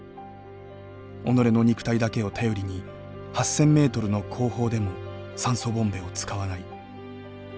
己の肉体だけを頼りに８，０００ｍの高峰でも酸素ボンベを使わない。